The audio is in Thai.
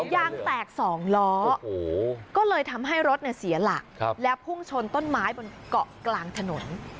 ยางแตก๒ล้อก็เลยทำให้รถเสียหลักและพุ่งชนต้นไม้บนเกาะกลางถนน